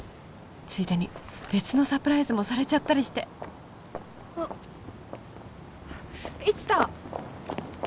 ついでに別のサプライズもされちゃったりしてあっ一太！